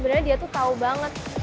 bapak iya dia udah tau